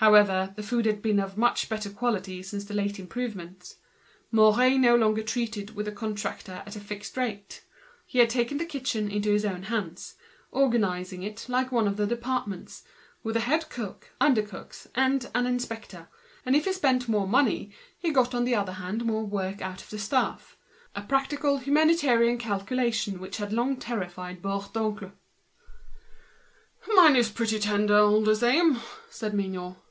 However, the food had been much better since the late improvements. Mouret no longer treated with a contractor at a fixed sum; he had taken the kitchen into his own hands, organizing it like one of the departments, with a head cook, under cooks, and an inspector; and if he spent more he got more work out of the staff—a practical humane calculation which long terrified Bourdoncle. "Mine is pretty tender, all the same," said Mignot.